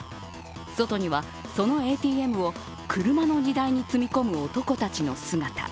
外にはそのＡＴＭを車の荷台に積み込む男たちの姿。